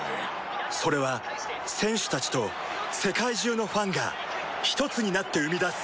それは選手たちと世界中のファンがひとつになって生み出す